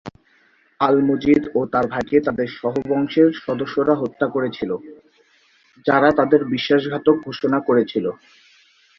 আল-মজিদ ও তার ভাইকে তাদের সহ-বংশের সদস্যরা হত্যা করেছিল, যারা তাদের বিশ্বাসঘাতক ঘোষণা করেছিল।